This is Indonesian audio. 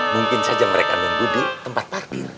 mungkin saja mereka nunggu di tempat parkir